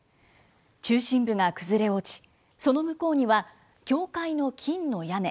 中心部が崩れ落ち、その向こうには教会の金の屋根。